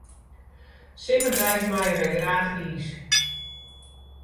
Simmerdei meie wy graach iis.